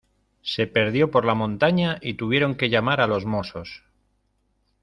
Se perdió por la montaña y tuvieron que llamar a los Mossos.